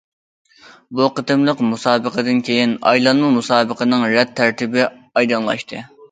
بۇ قېتىملىق مۇسابىقىدىن كېيىن، ئايلانما مۇسابىقىنىڭ رەت تەرتىپى ئايدىڭلاشتى.